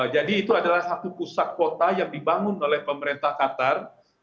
itu adalah satu pusat kota yang dibangun oleh pemerintah qatar